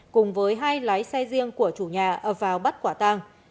cùng với hai lái xe riêng của chủ nhà vào bắt quả tăng